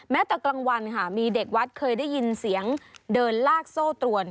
ตอนกลางวันค่ะมีเด็กวัดเคยได้ยินเสียงเดินลากโซ่ตรวน